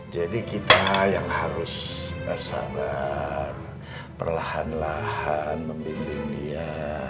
jadi kita yang harus sabar perlahan lahan membimbing dia